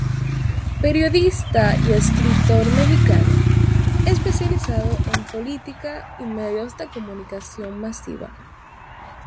Periodista y escritor mexicano, especializado en política y medios de comunicación masiva.